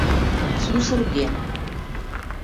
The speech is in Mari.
— Сусырген...